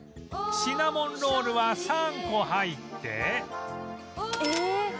シナモンロールは３個入って